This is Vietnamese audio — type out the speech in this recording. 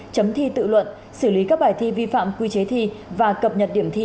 chấm thi tự luận xử lý các bài thi vi phạm quy chế thi và cập nhật điểm thi